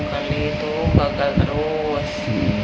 delapan kali itu gagal terus